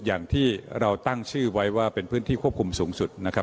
อย่างที่เราตั้งชื่อไว้ว่าเป็นพื้นที่ควบคุมสูงสุดนะครับ